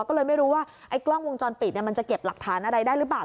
ก็เลยไม่รู้ว่าไอ้กล้องวงจรปิดมันจะเก็บหลักฐานอะไรได้หรือเปล่า